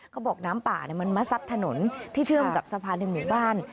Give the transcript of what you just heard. เขาบอกน้ำป่ามันมาซัดถนนที่เชื่อมกับสะพานในหมู่บ้าน